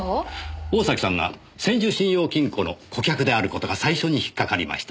大崎さんが千住信用金庫の顧客である事が最初に引っかかりました。